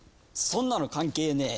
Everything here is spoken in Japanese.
そんなの関係ねえ